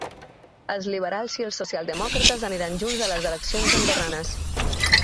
Els liberals i els socialdemòcrates aniran junts a les eleccions andorranes.